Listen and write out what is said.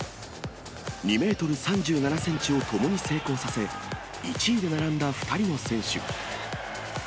２メートル３７センチをともに成功させ、１位で並んだ２人の選手。